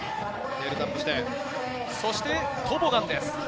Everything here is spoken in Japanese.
そして、トボガン。